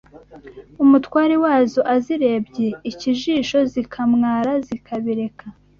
umutware wazo azirebye ikijisho zikamwara zikabireka